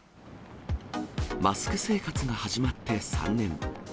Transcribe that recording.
マスク生活が始まって３年。